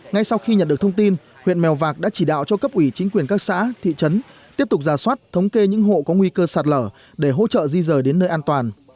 ngay sau khi nhận được thông tin huyện mèo vạc đã chỉ đạo cho cấp ủy chính quyền các xã thị trấn tiếp tục giả soát thống kê những hộ có nguy cơ sạt lở để hỗ trợ di rời đến nơi an toàn